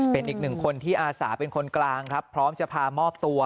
เป็นอีกหนึ่งคนที่อาสาเป็นคนกลางครับพร้อมจะพามอบตัว